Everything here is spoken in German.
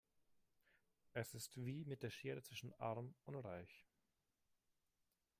Es ist wie mit der Schere zwischen arm und reich.